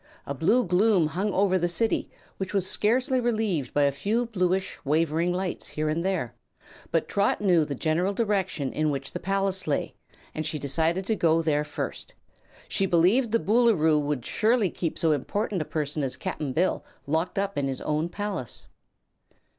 A blue gloom hung over the City, which was scarcely relieved by a few bluish, wavering lights here and there, but Trot knew the general direction in which the palace lay and she decided to go there first. She believed the Boolooroo would surely keep so important a prisoner as Cap'n Bill locked up in his own palace.